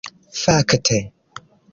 fakte